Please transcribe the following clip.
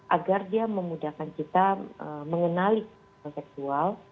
agar dia memudahkan kita mengenali kekerasan seksual